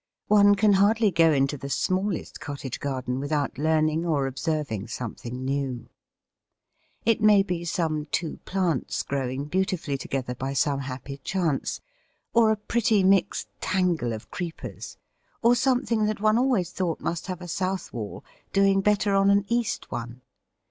One can hardly go into the smallest cottage garden without learning or observing something new. It may be some two plants growing beautifully together by some happy chance, or a pretty mixed tangle of creepers, or something that one always thought must have a south wall doing better on an east one.